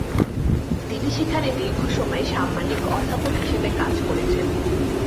তিনি সেখানে দীর্ঘ সময় সাম্মানিক অধ্যাপক হিসাবে কাজ করেছেন।